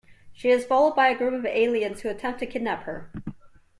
She is followed by a group of aliens, who attempt to kidnap her.